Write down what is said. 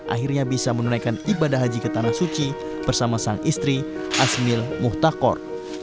akhirnya bisa menunaikan ibadah haji ke tanah suci bersama sang istri asmil muhtakor